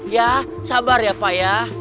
ya sabar ya pak ya